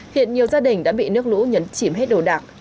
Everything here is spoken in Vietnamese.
hiện nhiều gia đình đã bị nước lũ nhấn chìm hết đồ đạc